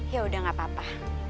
ya udah gak apa apa